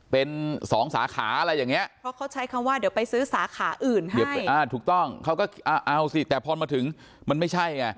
เป็นสองสาขาอะไรอย่างเงี้ยเพราะเขาใช้คำว่าเดี๋ยวไปซื้อสาขาอื่นค่ะถูกต้องเขาก็เอาสิแต่พอมาถึงมันไม่ใช่ไง